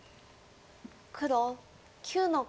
黒９の五。